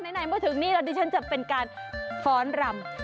ไหนเมื่อถึงนี่แล้วดิฉันจะเป็นการฟ้อนรำ